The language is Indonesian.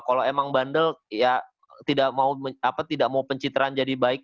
kalau emang bandel ya tidak mau pencitraan jadi baik